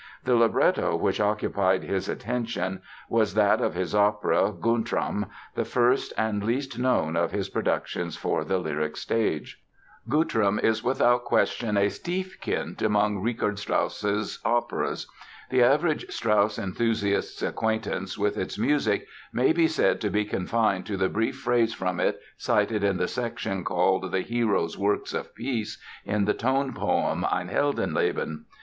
The libretto which occupied his attention was that of his opera, Guntram, the first and least known of his productions for the lyric stage. Guntram is without question a "Stiefkind" among Richard Strauss's operas. The average Strauss enthusiast's acquaintance with its music may be said to be confined to the brief phrase from it cited in the section called The Hero's Works of Peace in the tone poem Ein Heldenleben.